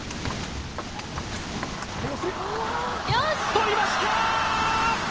とりました！